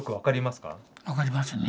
分かりますね